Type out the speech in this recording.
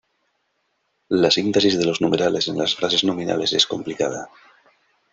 La sintaxis de los numerales en las frases nominales es complicada.